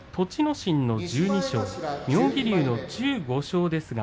心の１２勝妙義龍の１５勝です。